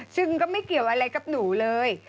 ซึ่งก็ไม่เกี่ยวอะไรกับหนูเลย